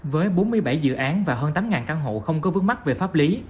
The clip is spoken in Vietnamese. với bốn mươi bảy dự án và hơn tám căn hộ không có vướng mắt về pháp lý